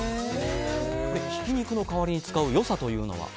ひき肉の代わりに使う良さというのは？